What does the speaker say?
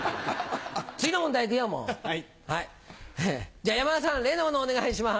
じゃあ山田さん例のものお願いします。